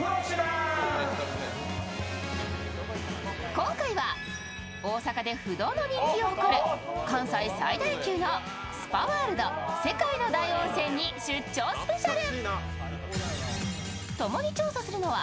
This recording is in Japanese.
今回は大阪で不動の人気を誇る関西最大級のスパワールド世界の大温泉に出張スペシャル。